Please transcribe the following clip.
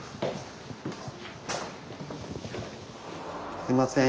すいません。